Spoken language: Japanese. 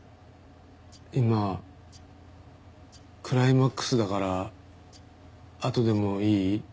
今クライマックスだからあとでもいい？